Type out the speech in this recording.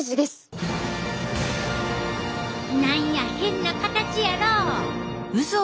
なんや変な形やろ。